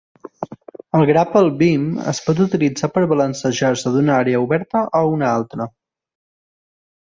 El "Grapple Beam" es pot utilitzar per balancejar-se d'una àrea oberta a una altra.